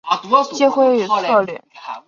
机会与策略